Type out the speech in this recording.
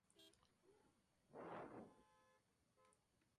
Estaba acompañado por un grupo relativamente reducido de compañeros.